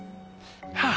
はあ！